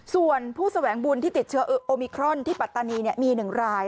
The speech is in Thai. ส่วนผู้แสวงบุญที่ติดเชื้อโอมิครอนที่ปัตตานีมี๑ราย